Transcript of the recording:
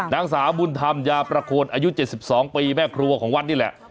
นางสาวบุญธรรมยาประโคนอายุ๗๒ปีแม่ครัวของวัดนี่แหละ